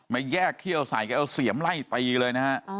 มันแยกเขี้ยวใส่แกาเสี่ยมไล่ตีเลยนะ